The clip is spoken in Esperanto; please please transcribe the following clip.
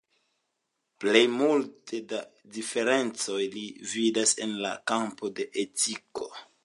Plej multe da diferencoj li vidas en la kampo de etiko.